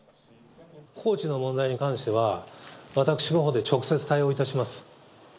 高知の問題に関しては、私のほうで直接対応いたします。